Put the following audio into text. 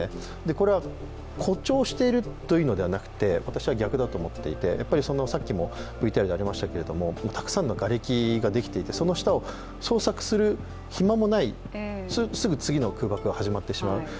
これは、誇張しているというのではなくて私は逆だと思っていてたくさんのがれきができていてその下を捜索する暇もない、すぐ次の空爆が始まってしまう。